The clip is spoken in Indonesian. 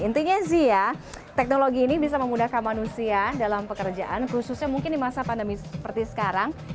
intinya sih ya teknologi ini bisa memudahkan manusia dalam pekerjaan khususnya mungkin di masa pandemi seperti sekarang